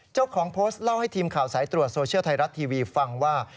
เจ้าของโพสต์เล่าให้ทีมข่าวสายตรวจโซเชียลไทยรัฐทีวีฟังว่า